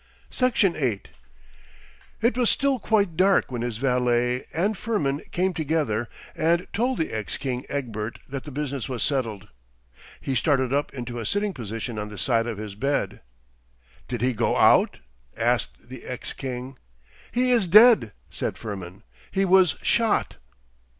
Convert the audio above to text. Section 8 It was still quite dark when his valet and Firmin came together and told the ex king Egbert that the business was settled. He started up into a sitting position on the side of his bed. 'Did he go out?' asked the ex king. 'He is dead,' said Firmin. 'He was shot.